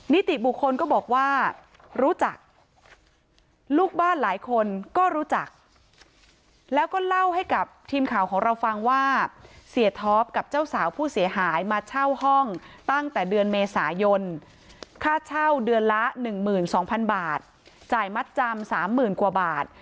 นิติบุคคลก็บอกว่ารู้จักลูกบ้านหลายคนก็รู้จักแล้วก็เล่าให้กับทีมข่าวของเราฟังว่าเสียท็อปกับเจ้าสาวผู้เสียหายมาเช่าห้องตั้งแต่เดือนเมษายนค่าเช่าเดือนละ๑๒๐๐๐บาทจ่ายมัดจำ๓๐๐๐กว่าบาท